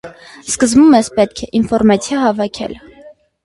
Սկզբում մեզ պետք էր ինֆորմացիա հավաքել։